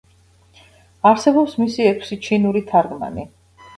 არსებობს მისი ექვსი ჩინური თარგმანი.